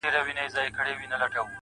ارمانه اوس درنه ښكلا وړي څوك.